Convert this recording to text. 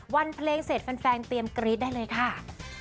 วันเพลงเสร็จแฟนเตรียมกรี๊ดได้เลยค่ะ